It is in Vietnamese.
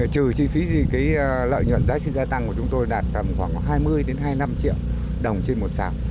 trừ chi phí thì cái lợi nhuận giá trị gia tăng của chúng tôi đạt khoảng hai mươi đến hai mươi năm triệu đồng trên một xào